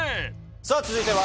さぁ続いては。